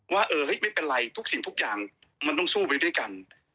ว่าเออไม่เป็นไรทุกสิ่งทุกอย่างมันต้องสู้ไปด้วยกัน